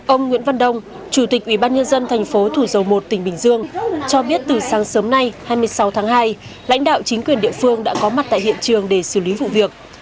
ông nguyễn văn đông chủ tịch ubnd tp thủ dầu một tỉnh bình dương cho biết từ sáng sớm nay hai mươi sáu tháng hai lãnh đạo chính quyền địa phương đã có mặt tại hiện trường để xử lý vụ việc